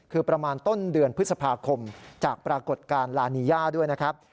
คือประมาณต้นเดือนพฤษภาคมจากปรากฏการณ์ลานีย่าด้วยนะครับ